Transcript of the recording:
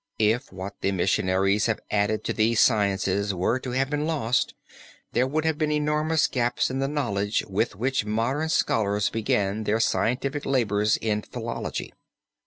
If what the missionaries have added to these sciences were to have been lost, there would have been enormous gaps in the knowledge with which modern scholars began their scientific labors in philology.